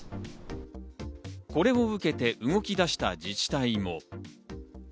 これを受けて動き出した自治体も。